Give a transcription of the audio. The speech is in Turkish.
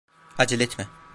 Acele etme.